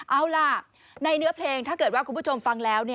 เอาล่ะในเนื้อเพลงถ้าเกิดว่าคุณผู้ชมฟังแล้ว